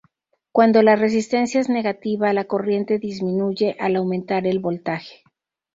Cuando la resistencia es negativa, la corriente disminuye al aumentar el voltaje.